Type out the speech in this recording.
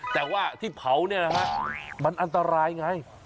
แต่ว่าที่เผาเนี่ยนะฮะมันอันตรายไง